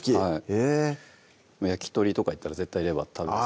へぇ焼き鳥とか行ったら絶対レバー食べますね